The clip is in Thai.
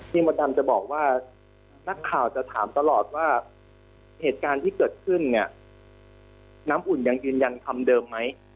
มดดำจะบอกว่านักข่าวจะถามตลอดว่าเหตุการณ์ที่เกิดขึ้นเนี่ยน้ำอุ่นยังยืนยันคำเดิมไหม